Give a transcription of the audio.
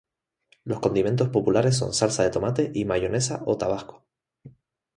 Los condimentos populares son salsa de tomate y mayonesa o tabasco.